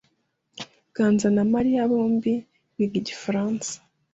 Ganza na Mariya bombi biga Igifaransa.